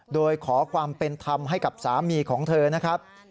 โดยขอความเป็นธรรมให้กับสามีของเธอนะครับ